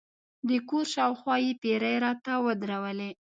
د کور پر شاوخوا یې پیرې راته ودرولې.